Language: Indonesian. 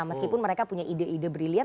meskipun mereka punya ide ide briliant